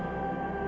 aku akan menang